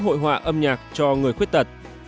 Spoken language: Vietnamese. hội họa âm nhạc cho người khuyết tật